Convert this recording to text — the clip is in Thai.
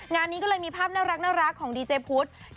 งานนี้ก็เลยมีภาพน่ารักของดีเจพุทธ